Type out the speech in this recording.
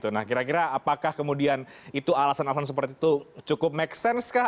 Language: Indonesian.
nah kira kira apakah kemudian itu alasan alasan seperti itu cukup make sense kah